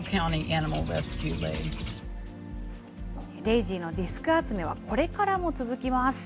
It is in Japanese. デイジーのディスク集めはこれからも続きます。